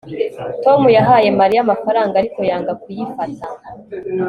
tom yahaye mariya amafaranga, ariko yanga kuyifata